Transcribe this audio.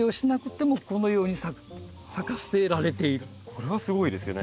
これはすごいですね。